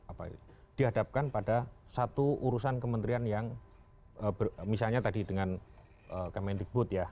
kehidupan yang dihadapkan pada satu urusan kementerian yang misalnya tadi dengan kemen digbud ya